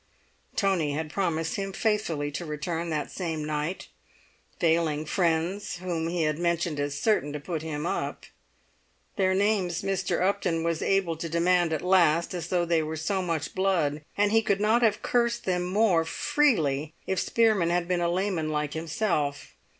Tony had promised him faithfully to return that same night, failing friends whom he had mentioned as certain to put him up; their names Mr. Upton was able to demand at last as though they were so much blood; and he could not have cursed them more freely if Spearman had been a layman like himself.